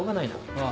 ああ。